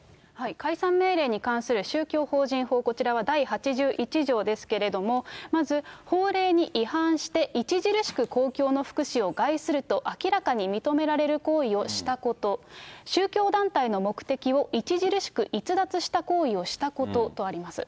解散命令に関する宗教法人法、こちらは第８１条ですけれども、まず法令に違反して、著しく公共の福祉を害すると明らかに認められる行為をしたこと、宗教団体の目的を著しく逸脱した行為をしたこととあります。